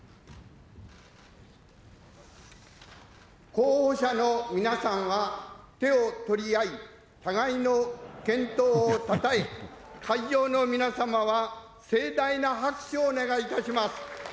候補者の皆さんは手を取り合い、互いの健闘をたたえ、会場の皆様は盛大な拍手をお願いいたします。